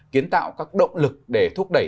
kiến tạo các động lực để thúc đẩy